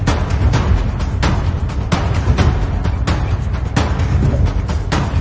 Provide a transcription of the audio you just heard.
อันนี้ก็จะครับที่ยังไม่ได้